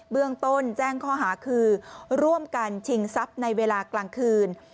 เบื้องต้นแจ้งข้อหาคือร่วมกันชิงทรัพย์ในเวลากลางคืน